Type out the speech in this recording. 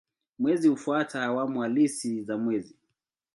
Mwezi hufuata awamu halisi za mwezi.